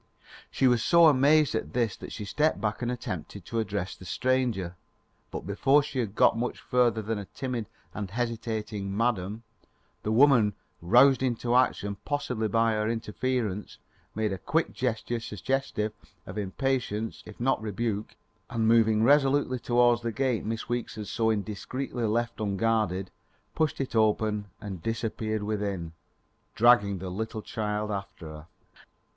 She was so amazed at this that she stepped back and attempted to address the stranger. But before she had got much further than a timid and hesitating Madam, the woman, roused into action possibly by her interference, made a quick gesture suggestive of impatience if not rebuke, and moving resolutely towards the gate Miss Weeks had so indiscreetly left unguarded, pushed it open and disappeared within, dragging the little child after her.